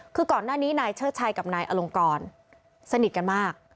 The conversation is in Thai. คือก่อนหน้านี้นายเชิดชัยกับนายอลงกรสนิทกันมาก